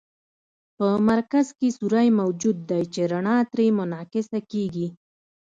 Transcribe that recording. په مرکز کې سوری موجود دی چې رڼا ترې منعکسه کیږي.